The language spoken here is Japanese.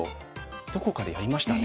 どこかでやりましたね。